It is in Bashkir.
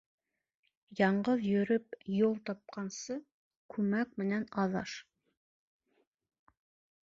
Яңғыҙ йөрөп юл тапҡансы, күмәк менән аҙаш.